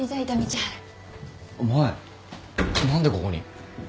何でここに？